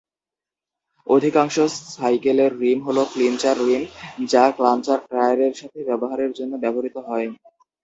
অধিকাংশ সাইকেলের রিম হল "ক্লিঞ্চার" রিম যা ক্লাঞ্চার টায়ারের সাথে ব্যবহারের জন্য ব্যবহৃত হয়।